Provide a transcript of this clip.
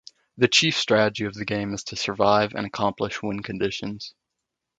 The chief strategy of the game is to survive and accomplish win conditions.